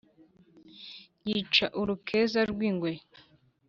Yica urukeza rw’ingwe